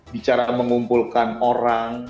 bicara mengumpulkan orang